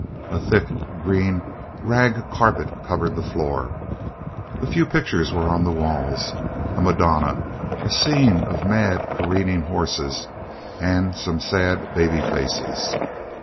A thick green rag carpet covered the floor; a few pictures were on the walls a Madonna, a scene of mad careering horses, and some sad baby faces.